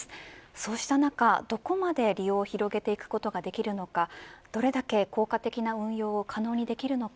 そうした中どこまで利用を広げていくことができるのかどれだけ効果的な運用を可能にできるのか。